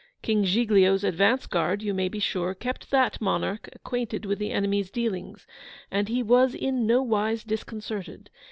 King Giglio's advance guard, you may be sure, kept that monarch acquainted with the enemy's dealings, and he was in nowise disconcerted.